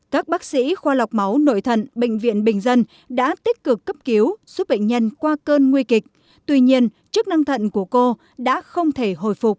các bác sĩ khoa lọc máu nội thận bệnh viện bình dân đã tích cực cấp cứu giúp bệnh nhân qua cơn nguy kịch tuy nhiên chức năng thận của cô đã không thể hồi phục